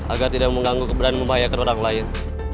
agar tidak mengganggu keberan membahayakan orang lain